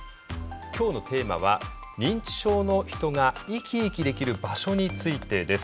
今日のテーマは認知症の人が「生き生きできる“場所”」についてです。